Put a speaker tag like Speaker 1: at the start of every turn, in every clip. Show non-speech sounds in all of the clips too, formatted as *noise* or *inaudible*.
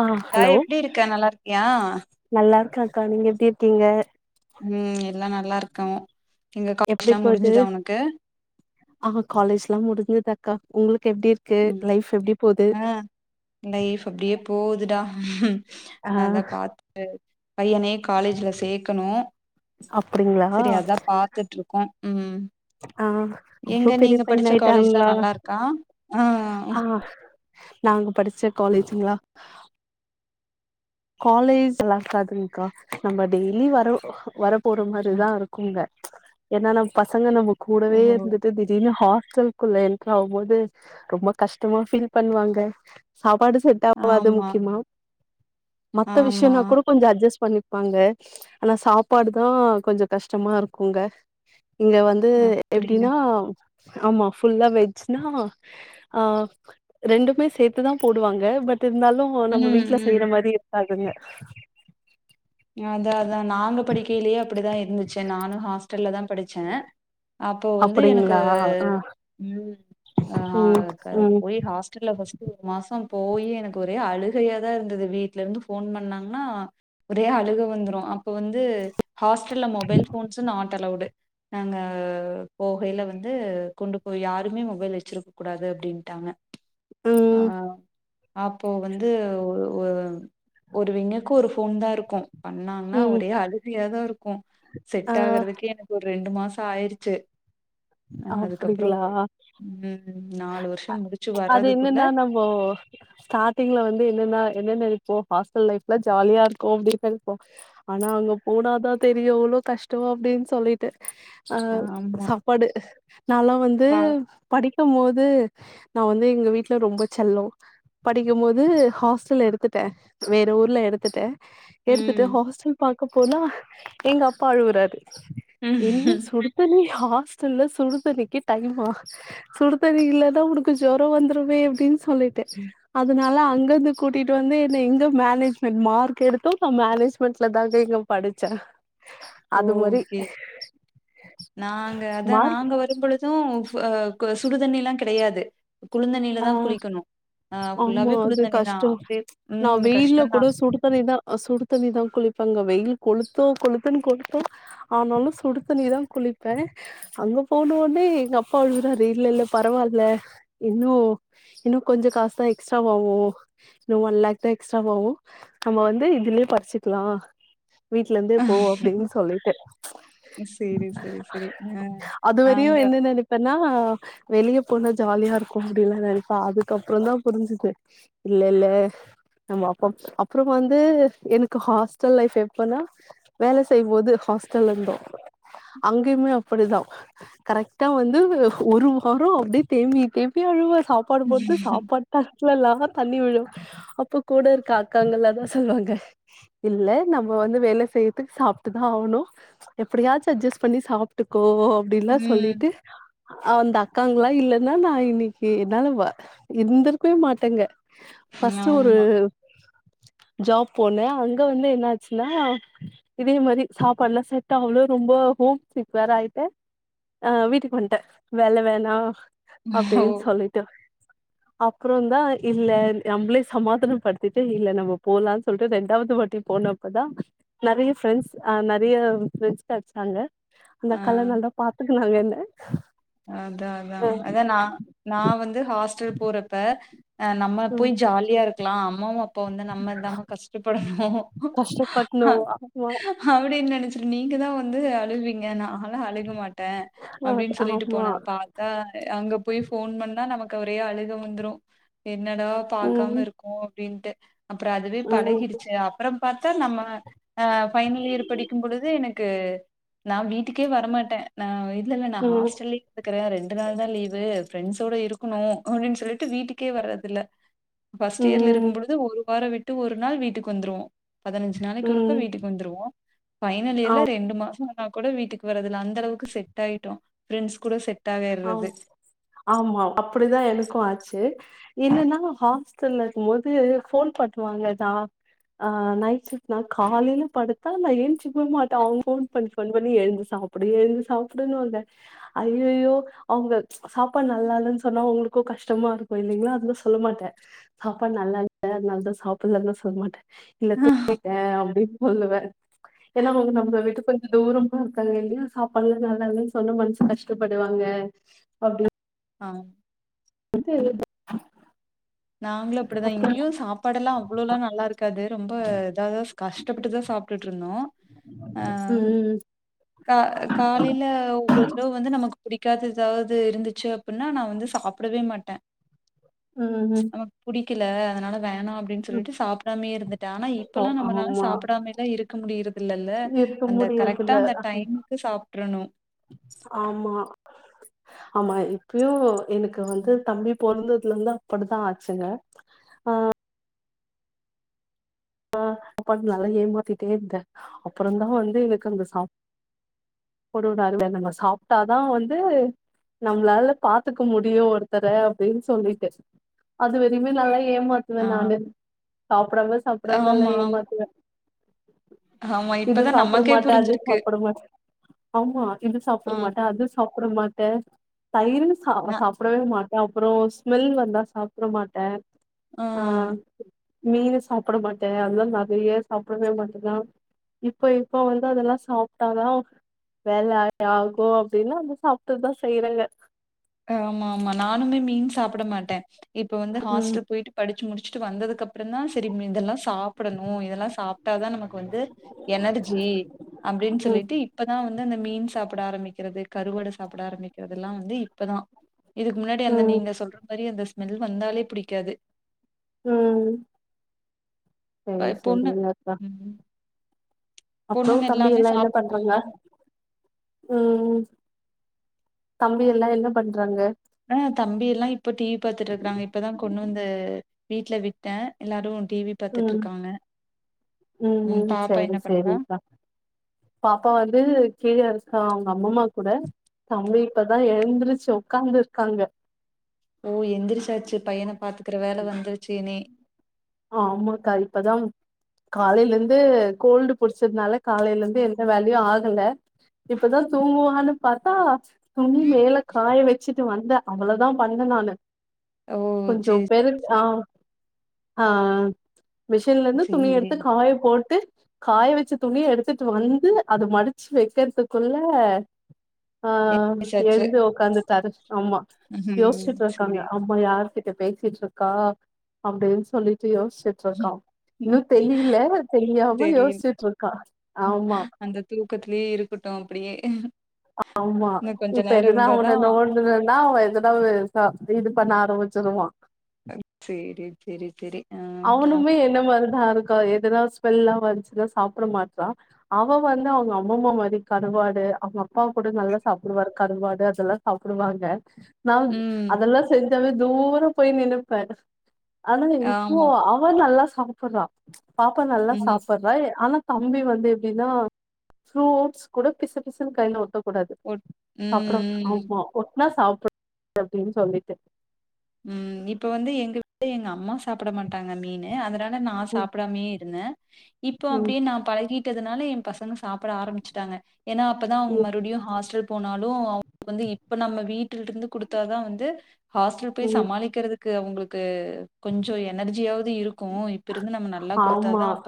Speaker 1: ஆ hello
Speaker 2: காய் எப்டி இருக்க நல்லா இருக்கியா
Speaker 1: நல்லா இருக்க கா நீங்க எப்டி இருக்கீங்க
Speaker 2: ம் எல்லா நல்லா இருக்கோ எங்க காலேஜ்லா முடிஞ்சுதா உனக்கு
Speaker 1: ஆ காலேஜ் எல்லா முடிஞ்சது அக்கா உங்களுக்கு எப்டி இருக் கு
Speaker 2: ம்
Speaker 1: லைஃப் எப்டி போது
Speaker 2: ஆ லைஃப் அப்டியே போகுதுடா
Speaker 1: ஆ
Speaker 2: அத பா பையனையு காலேஜ்ல சேர்க்கணு
Speaker 1: அப்டிங்களா
Speaker 2: செரி அதா பாத்துட்ருக்கோ ம்
Speaker 1: ஆ அவ்ளோ
Speaker 2: எங்க
Speaker 1: பெரிய
Speaker 2: நீங்க
Speaker 1: பையன்
Speaker 2: படிச்ச காலேஜ்லா
Speaker 1: ஆயிட்டாங்களா
Speaker 2: நல்லா இருக்கா ஆ
Speaker 1: ஆ நாங்க படிச்ச காலேஜுங்ளா காலேஜ் இல்ல அதுங்க்கா நம்ம டெய்லி வர வர போற மாரிதா இருக்குங்க ஏன்னா நம்ம பசங்க நம்ம கூடவே
Speaker 2: ஓஹோ
Speaker 1: இருந்துட்டு திடீர்னு ஹாஸ்டல் குள்ள என்டர் ஆகுபோது ரொம்ப கஷ்டமா ஃபீல் பண்ணுவாங்க சாப்பாடு செட் ஆவாது
Speaker 2: ஆமா
Speaker 1: முக்கியமா மத்த
Speaker 2: ஆமா
Speaker 1: விஷயம்னா கூட கொஞ்ச அட்ஜஸ் பண்ணி பாங்க ஆனா சாப்பாடு தா கொஞ்ச கஷ்டமா இருக்குங்க இங்க வந் து
Speaker 2: அப்டியா
Speaker 1: எப்டின்னா ஆமா ஃபுல்லா வெஜ்னா ஆ ரெண்டுமே சேத்துதா போடுவாங்க பட் இருந்தாலு ஒ நம்ம
Speaker 2: ம்
Speaker 1: வீட்ல
Speaker 2: ம்
Speaker 1: செய்ற மாரி இருக்கதுங்க
Speaker 2: அத அதா நாங்க படிக்கையிலயே அப்படிதா இருந்துச்சு நானு ஹாஸ்டல்ல தா படிச்ச அப்போ வந்து எனக்கு
Speaker 1: அப்டிங்களா ஆ
Speaker 2: ஆ
Speaker 1: ம் ம்
Speaker 2: போய் ஹாஸ்டல்ல ஃபர்ஸ்ட் ஒரு மாசம் போய் எனக்கு ஒரே அழுகையாதா இருந்தது வீட்ல இருந்து போன் பண்ணாங்ன்னா ஒரே அழுக வந்துரு அப்போ வந்து ஹாஸ்டல்ல மொபைல் போன்ஸ் நாட் அலௌடு நாங்க போகையில வந்து கொண்டு போய் யாருமே மொபைல் வச்சிருக்க கூடாது அப்டின்ட்டாங்க ஆ
Speaker 1: ம்
Speaker 2: அப்போ வந்து ஒ ஒரு ஒரு விங்குக்கு ஒரு போன் தா இருக்கு பண்ணாங்ன்னா
Speaker 1: ம்
Speaker 2: ஒரே அழுகியாதா இருக்கு
Speaker 1: ஆ
Speaker 2: செட் ஆகுறதுக்கே எனக்கு ஒரு ரெண்டு மாசம் ஆயிருச்சு அதுக்கப்புறோ
Speaker 1: அப்டிங்ளா
Speaker 2: ம் நாலு வருஷ முடிச்சு வரதுக்குள்ள
Speaker 1: ஓ ஸ்டார்டிங்ல வந்து என்னன்னா என்னன்ன நெப்போ ஹாஸ்டல் லைஃப்லா ஜாலியா இருக்கு அப்படின்னு நெப்போ ஆனா அங்க போனாதா தெரியு எவ்ளோ கஷ்டோ அப்டின் சொல்லிட்டு ஆ
Speaker 2: ஆமா
Speaker 1: சாப்பாடு நாலா வந்து
Speaker 2: சா
Speaker 1: படி க்கும் போது நா வந்து எங்க வீட்ல ரொம்ப செல்லோ படிக்கும் போது ஹாஸ்டல்ல எடுத்துட்ட வேற ஊர்ல எடுத்துட்ட எடுத்துட்டு
Speaker 2: ம்
Speaker 1: ஹாஸ்டல் பாக்க போனா எங்க அப்பா அழுவுறாரு என்ன சுடுதண்ணி ஹாஸ்டல்ல சுடுதண்ணிக்கி டைமா சுடுதண்ணி இல்லன்னா உனக்கு ஜொரோ வந்துருமே அப்டின்னு சொல்லிட்டு அதனால அங்கந்து கூட்டிட்டு வந்து என்ன இங்க மேனேஜ்மென்ட் மார்க் எடுத்து நா மேனேஜ்மெண்ட்ல தாங்க இங்க படிச்ச
Speaker 2: ஓகே நாங்க அதா
Speaker 1: மார்க்
Speaker 2: நாங்க வரும்பொழுது சுடுதண்ணி எல்லா கிடையாது குளுந்தண்ணியில
Speaker 1: ஆ
Speaker 2: தா குளிக்கணு ஆ
Speaker 1: ஆமா
Speaker 2: ஃபுல்லாவே
Speaker 1: அது
Speaker 2: குளுந்தண்ணி தா
Speaker 1: கஷ்டோ
Speaker 2: அப்டே
Speaker 1: நா
Speaker 2: ம்
Speaker 1: வெயில
Speaker 2: கஷ்டந்தா
Speaker 1: கூட சுடு தண்ணி தா அ சுடு தண்ணிதா குளிப்பாங்க வெயில் கொளுத்தோ கொளுத்துன்னு கொளுத்து ஆனாலு சுடு தண்ணிதா குளிப்ப அங்க போன உடனே எங்க அப்பா அழுக்குறாரு இல்ல இல்ல பரவாயில்ல இன்னு இன்னு கொஞ்ச காசு தா எக்ஸ்ட்ரா வாவு இன்னு ஒன் லேக் தா எக்ஸ்ட்ரா வாவு நம்ம வந்து இதுலயே படிச்சுக்கலா வீட்ல இருந்தே போ அப்டின்னு சொல்லிட்டு
Speaker 2: செரி செரி செரி ஆ அவங்க
Speaker 1: அனா வெளியே போனா ஜாலியா இருக் அப்டிலா நெனைப்பே அதுக்கப்பறோ தா புரிஞ்சுது இல்ல இல்ல ஆமா அப்ப அப்பறம் வந்து எனக்கு ஹாஸ்டல் லைஃப் எப்பனா வேல செய்யும்போது ஹாஸ்டல்ல இருந்தோ அங்கயுமே அப்டிதா கரெக்ட்டா வந்து ஒரு வாரோ அப்டியே தேம்மி தேம்மி அழுவே சாப்பாடு போட்டு சாப்பாடு பர்ஸ்ட்லலா தண்ணி விழு அப்ப கூட இருக்க அக்காங்கல்லா தா சொல்லுவாங்க இல்ல நம்ம வந்து வேல செய்யறதுக்கு சாப்ட்டுதா ஆகணு எப்படியாச்சு அட்ஜஸ்ட் பண்ணி சாப்ட்டுக்கோ அப்டில்லா
Speaker 2: ம்
Speaker 1: சொல்லிட்டு அந்த அக்காங்களல்லா இல்லன்னா நா இன் என்னால வா எழுந்திருக்கவே மாட்டேங்க ஃபர்ஸ்ட் ஒரு
Speaker 2: ஆமா
Speaker 1: ஜாப் போனே அங்க வந்து என்ன ஆச்சுன்னா இதே மாரி சாப்பாடுலா செட்டு ஆகுல ரொம்ப ஹோம் சிக் வேற ஆயிட்ட அ வீட்டுக்கு வந்துட்ட வேல வேணா
Speaker 2: ஓ
Speaker 1: அப்டின்னு சொல்லிட்டு அப்றோ தா இல்ல நம்மளே சமாதனோ படுத்திட்டு இல்ல நம்ம போலான்னு சொல்லிட்டு ரெண்டாவது வாட்டி போன ப்ப தா நெறைய ஃப்ரெண்ட்ஸ் ஆ நெறைய ஃப்ரெண்ட்ஸ் கெடச்சாங்க அந்த
Speaker 2: ஆ
Speaker 1: அக்காலா நல்லா பாத்துக்குனாங்க என்ன
Speaker 2: அதா அதா
Speaker 1: ஆ
Speaker 2: அதா நா நா வந்து ஹாஸ்டல் போறப்ப நம்மல போய்
Speaker 1: ம்
Speaker 2: ஜாலியா இருக்கலா அம்மாவு அப் அப்போ வந்து நம்ம இல்லாம கஷ்டப்படணு ஹ
Speaker 1: கஷ்டப்பட்ணு ஆமா
Speaker 2: அப்டின்னு நெனைச்சிட்டு நீங்கதா வந்து அழுவீங்க நாலா அழுக மாட்டே
Speaker 1: ஆ
Speaker 2: அப்டின்னு சொல்லிட்டு
Speaker 1: ஆமா
Speaker 2: பார்த்தா அங்க போய் போன் பண்ணா நமக்கு ஒரே அழுக வந்துரு என்னடா பாக்காம
Speaker 1: ம்
Speaker 2: இருக்கோ அப்டின்ட்டு அப்றோ அதுவே
Speaker 1: ம்
Speaker 2: பழகிடுச்சு அ அப்றோ பாத்தா நம்ம ஆ ஃபைனல் இயர் படிக்கும் பொழுது எனக்கு நா வீட்டுக்கே வரமாட்டே நா இல்லல்ல நா
Speaker 1: ம்
Speaker 2: ஹாஸ்டல்யே இருக்கிறே ரெண்டு நாள் தா லீவு ஃரெண்ட்ஸோட இருக்கணு அப்டின்னு சொல்லிட்டு வீட்டுக்கே வர்றதில்ல பர்ஸ்ட் இயர்ல
Speaker 1: ம்
Speaker 2: இருக்கும்பொழுது ஒரு வாரோ விட்டு ஒரு நாள் வீட்டுக்கு வந்துருவோ பதினஞ்சு நாளைக்கு வொருக்க
Speaker 1: ம்
Speaker 2: வீட்டுக்கு வந்துருவோ பைனல்
Speaker 1: ஆ
Speaker 2: இயர்ல ரெண்டு மாசோ ஆனா கூட வீட்டுக்கு வரதுல அந்த அளவுக்கு செட் ஆயிட்டோ பிரண்ட்ஸ் கூட செட் ஆக
Speaker 1: ஆ
Speaker 2: இருந்தது
Speaker 1: ஆமா அப்டிதா எனக்கு ஆச்சு என்னன்னா ஹாஸ்டல்ல இருக்கு போது போன் காட்டுவாங்க தா ஆ நைட் ஷிப்ட் நா காலையில படுத்தா நா எழுச்சுக்கவே மாட்ட அவங்க ஃபோன் பண்ணி ஃபோன் பண்ணி எழுந்து சாப் அப்டி எழுந்து சாப்பிடனுல அய்யயோ அவங்க ச் சாப்பாடு நல்லாலன்னு சொன்னா அவங்களுக்கு கஷ்டமா இருக்கு இல்லைங்கலா அது நாள சொல்ல மாட்டே சாப்பாடு நல்லா இல்ல அதனாலதா சாப்பிடலனு சொல்ல மாட்டே இல்ல தூங்கட்டே அப்டின்னு சொல்லுவே ஏன்னா அவங்க நம்மள விட்டு போய் தூரம்மா இருக்காங்க இல்ல சாப்பாடு நல்லாலன்னு சொன்னா மனசு கஷ்டப்படுவாங்க அப்டின்
Speaker 2: ஆம் நாங்களும் அப்டிதான்
Speaker 1: அப்புறம்
Speaker 2: இங்கயு சாப்பாடெல்லாம் அவ்ளோல்லா நல்லா இருக்காது ரொம்ப எதோ கஷ்டப்பட்டுதான் சாப்ட்டுட்டு இருந்தோம்
Speaker 1: ம்
Speaker 2: கர் கா லைல்ல ஒவ்வொரு தடவு வந்து நமக்கு புடிக்காத ஏதாது இருந்துச்சு அப்டின்னா நான் வந்து சாப்டவே மாட்டேன்
Speaker 1: ம் ம்
Speaker 2: நமக்கு புடிக்கல அதனால வேணாம் அப் டின்
Speaker 1: ம்
Speaker 2: சொல்ட்டு சாப்டாமே இருந்துட்டேன் ஆனா இப்பெல்லாம் நம்மளால
Speaker 1: ஆமா
Speaker 2: சாப்டாமே எல்லாம் இருக்க முடியுறது இல்லல்ல
Speaker 1: இருக்க
Speaker 2: அந்த
Speaker 1: முடியறதுல
Speaker 2: கரெக்டா அந்த டைம்க்கு சாப்ட்றணும்
Speaker 1: ஆமா ஆமா இப்பயு எனக்கு வந்து தம்பி பொறந்ததுல இருந்து அப்டித்தா ஆச்சுங்க ஆ ஆ நல்லா ஏமாத்திட்டே இருந்த அப்பரோம் தா வந்து எனக்கு இந்த சாப் பொடு *unintelligible* நம்ம சாப்டாதா வந்து நம்ளால பாத்துக்க முடியும் ஒருத்தர அப்டின் சொல்லிட்டு அது வரைக்குமே நல்லா ஏமாத் துவ
Speaker 2: ஆ
Speaker 1: நானு சாப்டாம சாப்டாம நல்லா
Speaker 2: ஆமா,
Speaker 1: ஏமாத்துவ
Speaker 2: ஆமா, ஆமா.
Speaker 1: இது
Speaker 2: இப்பதான்
Speaker 1: சாப்ட
Speaker 2: நமக்கே
Speaker 1: மாட்ட அது
Speaker 2: புரிஞ்சிருக்கு.
Speaker 1: சாப்ட மாட்ட ஆமா அது இது
Speaker 2: ஆ
Speaker 1: சாப்பட மாட்ட அது சாப்ட மாட்ட தயிர்ன்னு சா
Speaker 2: நா
Speaker 1: சாப் ப்டே மாட்ட அப்புறோ ஸ்மெல் வந்தா சாப்ட மாட்ட ஆ மீனு சாப்ட மாட்டே அதா நெறைய சாப்டவே மாட்டனா இப்ப இப்ப வந்து அதெல்லா சாப்ட்டாதா வேல ஆகும் அப்டினு அத சாப்டதா செய்ற
Speaker 2: ஆமா ஆமா நானுமே மீன் சாப்ட மாட்டேன் இப்ப வந்து
Speaker 1: ம்
Speaker 2: ஹாஸ்டல் போயிட்டு படிச்சு முடிச்சுட்டு வந்ததுக்கு அப்புறம் தான் சரி இதெல்லாம் சா புடணும் இதெல்லாம் சாப்ட்டாதான் நமக்கு வந்து எனர்ஜி அப்டின்
Speaker 1: ம்
Speaker 2: சொல்லிட்டு இப் பதான் வந்து இந்த மீன் சாப்ட ஆரம்பிக்கறது கருவாடு சாப்ட ஆரம்பிக்கறது தெல்லாம் வந்து இப்பதான் இதுக்கு முன்னாடி அந்த
Speaker 1: ம்
Speaker 2: நீங்க சொல்ற மாரி அந்த ஸ்மெல் வந்தாலே புடிக்காது
Speaker 1: ம்
Speaker 2: ப
Speaker 1: செரி
Speaker 2: பொண்ணு
Speaker 1: செரிங்கக்கா
Speaker 2: ம்.
Speaker 1: அப்றோ
Speaker 2: பொண்ணுங்க
Speaker 1: தம்பி
Speaker 2: எல்லாமே
Speaker 1: எல்லா என்ன பண்றீங்க
Speaker 2: சாப்ட்டுப்பாங்களா?
Speaker 1: ம் தம்பி எல்லா என்ன பண்றாங்க
Speaker 2: அ தம்பி எல்லா இப்ப டிவி பாத்துட்டு இருக்றாங்க இப்பதா கொன்னு வந்து வீட்ல விட்ட எல்லாரு டி வி
Speaker 1: ம்
Speaker 2: பத்துட்டுருக்காங்க ம் பாப்பா என்ன பண்றா
Speaker 1: பாப்பா வந்து கீழ இருக்கா அவங்க அம்மாம்மா குட தம்பி இப்பதா எழுந்திருச்சு ஒக்காந்துருக்காங்க
Speaker 2: ஓ எந்திரிச்சாச்சு பையன பாத்துக்கற வேல வந்துருச்சு இனி
Speaker 1: ஆமாக்கா இப்பதாம் காலையில இருந்து கோல்டு புடிச்சதுனால காலையில இருந்து எந்த வேலயு ஆகல இப்பதா தூங்குவான்னு பாத்தா துணி மேல காய வச்சுட்டு வந்த அவ்ளோதா பண்ண நானு
Speaker 2: ஓ
Speaker 1: கொஞ்சோ
Speaker 2: சரி
Speaker 1: பெருக் ஆ ஆ மிஷின்ல இருந்து துணி
Speaker 2: சேரி.
Speaker 1: எடுத்து காய போட்டு காய வச்ச துணிய எடுத்துட்டு வந்து அத மடிச்சு வைக்கதுக்குள்ள ஆ
Speaker 2: எந்திரிச்சாச்சு.
Speaker 1: எழுந்து உக்காந்துட்டாரு ஆமா
Speaker 2: ம்
Speaker 1: யோசிச்சுட்டு இருக்காங்க
Speaker 2: சரி.
Speaker 1: அம்மா யாரு கிட்ட பேசிட்ருக்கா அப்டின் சொல்லிட்டு யோச்சு டிருக்கா இன்னு தெளில தெளியாம
Speaker 2: சரி.
Speaker 1: யோச்சுட்ருக்கா ஆமா
Speaker 2: அந்த தூக்கத்திலியே இருக்கட்டு அப்டியே
Speaker 1: ஆமா இப்ப எதனா அவன நொன் டுனோனா அவ எதுத்தாவது தா இது பண்ண ஆரம்பிச்சிருவா
Speaker 2: ம் சேரி செரி செரி
Speaker 1: அவனுமே என்ன மாரிதா இருக்கா எதனா ஸ்மெல்ல வந்ச்சுனா சாப்பிட மாட்றா அவ வந்து அவங்க அம்மம்மா மாதி கருவாடு அவங்க அப்பா கூட நல்லா சாப்புடுவாரு கருவாடு அதெல்லா சாப்புடுவாங்க நாங்
Speaker 2: ம்.
Speaker 1: அதெல்லா செஞ்சாவே தூரம் போய் நின்னுப்பே அதானயினியு
Speaker 2: ஆமா.
Speaker 1: அவ நல்லா சாப்புட்றா ச்சு பாப்பா நல்லா
Speaker 2: ம்.
Speaker 1: சாப்புடுறா ஆனா தம்பி வந்து எப்டின்னா ஃப்ரூட்ஸ் கூட பிசு பிசுன்னு கைல ஒட்ட கூடாது
Speaker 2: ஒட் ம்,
Speaker 1: அப்றோ
Speaker 2: ம்,
Speaker 1: ஆமா ஒட்னா சாப்ட அப்டின் சொல்லிட்டு
Speaker 2: ம் இப்ப வந்து எங்க வீட் எங்க அம்மா சாப்ட மாட் ட்டாங்க மீனு அதனால நா
Speaker 1: ம்
Speaker 2: சாப்டாமையே இருந்தே இப்போ
Speaker 1: ம்
Speaker 2: அப்டியே நா பழகி ட்டதுனால எ பசங்க சாப்ட ஆரம்பிச்சுட்டாங்க ஏனா அப்ப தா அவுங்க
Speaker 1: ம்
Speaker 2: மறுபடியு ஹாஸ்டல் போனாலு அவுங்க வந்து இப்ப நம்ம வீட்ல இருந்து குடுத்தா தா வந்து ஹாஸ்டல் போய்
Speaker 1: ம்
Speaker 2: சமாளிக்கறதுக் கு அவுங்களுக்கு கொஞ்சோ எனர்ஜியாவது இருக்கு இப் இப்பிருந்து நம்ம நல்லா குடுத்தா
Speaker 1: ஆமா
Speaker 2: தா அப்ப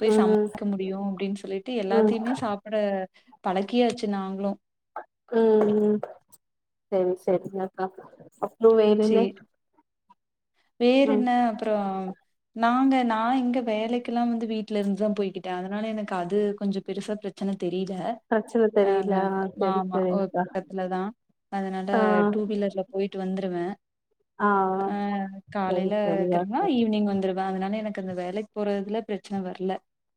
Speaker 2: போய்
Speaker 1: ம்
Speaker 2: சமாளிக்க முடியு அப்டின்னு சொல்லிட்டு
Speaker 1: ம்
Speaker 2: எல்லாத்தையுமே சாப் புட பழக்கியாச்சு நாங்ளு
Speaker 1: ம் ம் செரி செரிங்கக்கா அப்றோ வேற என்ன
Speaker 2: வேரென்ன அப்றோ நாங்க நா இங்க வேலைக்கெல்லா வந்து வீட்ல இருந்து போய்கிட்டே அதனால எனக்கு அது கொஞ்சோ பெருசா பிரச் சன தெரில
Speaker 1: பிரச்சன
Speaker 2: அ
Speaker 1: தெரில ஆ செரி
Speaker 2: ஆமா ஒரு
Speaker 1: செரிங்க்கா
Speaker 2: கட்டத்துல தா அதனால
Speaker 1: ஆ
Speaker 2: டூ வீலர்ல போய்ட்டு வந்துருவே ஆ
Speaker 1: சரி
Speaker 2: காலைல
Speaker 1: சரியா
Speaker 2: கெளம்புனா ஈவ்னிங் வந்துரு வே அதனால எனக்கு அந்த வேலைக் போறதுல பிரச்சன வர்ல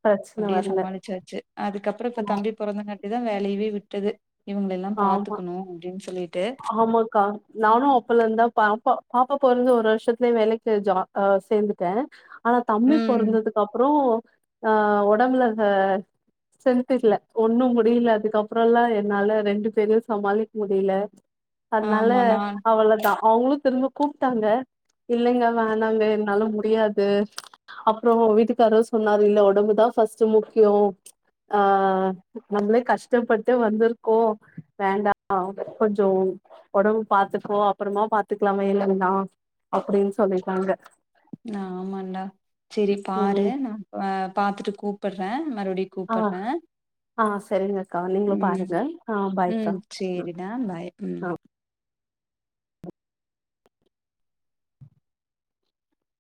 Speaker 1: பிரச்சன
Speaker 2: அப்டியே
Speaker 1: வரல
Speaker 2: சமாளிச்சாச்சு அதுக்கப்புறோ
Speaker 1: ஆ
Speaker 2: இப்ப தம்பி பொறந்தங்காட்டி தா வேலையவே விட்டது இவங்கள எல்லா
Speaker 1: ஆமா
Speaker 2: பாத்துக்கணு அப்டின் சொல்லிட்டு
Speaker 1: ஆமாக்கா நானு அப்பல இருந்தா பாப்பா பாப்பா பொறந்து ஒரு வருஷத்துலயே வேலைக்கு ஜா ஆ சேந்துட்டே ஆனா தம்பி
Speaker 2: ம்
Speaker 1: பொறந்ததுக் கப்ரோ அ உடம்புல இருந்த சென்த் இல்ல ஒன்னு முடியில அதுக்கப்புறோல்லா என்னால ரெண்டு பேரையு சமாளிக்க முடியில அதனால
Speaker 2: ஆமா நா
Speaker 1: அவ்வளதா அவுங்குளு திரும்ப கூப்ட்டாங்க இல்லங்க வேணாங்க என்னால முடியாது அப்புறோ வீட்டுக்காரு சொன்னாரு இல்ல ஒடம்பு தா ஃபஸ்ட்டு முக்கியோ ஆ நம்ளே கஷ்டப்பட்டு வந்திருக்கோ வேண்டா கொஞ் சோ ஒடம்பு பாத்துக்கோ அப்புறமா பாத்துக்லாமே இல்லனா அப்டின் சொல்லிட்டாங்க
Speaker 2: ஆமாண்டா செரி பாரு
Speaker 1: ம்
Speaker 2: நா அ பாத்துட்டு கூப்புட்றே மறுவடி
Speaker 1: ஆ ஆ செரிங்கக்கா நீங்ளு பாருங்க ஆ பாய்க்கா ம்
Speaker 2: செரிடா பாய் ம்
Speaker 1: ஆ